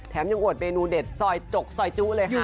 ยังอวดเมนูเด็ดซอยจกซอยจุเลยค่ะ